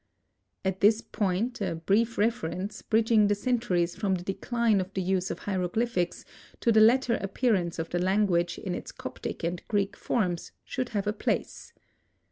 At this point, a brief reference, bridging the centuries from the decline of the use of hieroglyphics to the later appearance of the language in its Coptic and Greek forms, should have a place.